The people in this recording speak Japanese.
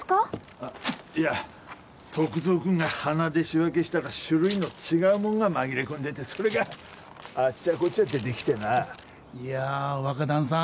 あッいや篤蔵君が鼻で仕分けしたら種類の違うもんが紛れ込んでてそれがあっちゃこっちゃ出てきてなあいや若旦さん